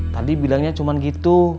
tadi bilangnya cuma gitu